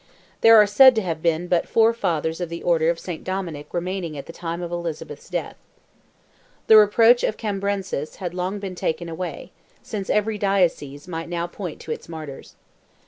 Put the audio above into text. There are said to have been but four Fathers of the Order of St. Dominick remaining at the time of Elizabeth's death. The reproach of Cambrensis had long been taken away, since every Diocese might now point to its martyrs.